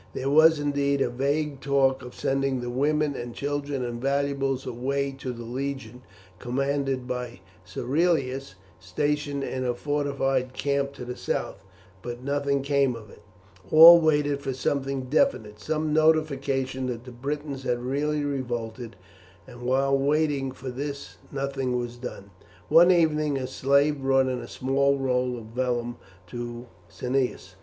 There was, indeed, a vague talk of sending the women and children and valuables away to the legion, commanded by Cerealis, stationed in a fortified camp to the south, but nothing came of it; all waited for something definite, some notification that the Britons had really revolted, and while waiting for this nothing was done. One evening a slave brought in a small roll of vellum to Cneius.